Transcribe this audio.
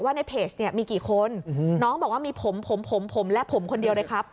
ในเพจเนี่ยมีกี่คนน้องบอกว่ามีผมผมและผมคนเดียวเลยครับ